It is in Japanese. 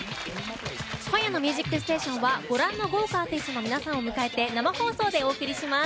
今夜の「ミュージックステーション」はご覧の豪華アーティストの皆さんを迎えて生放送でお送りします。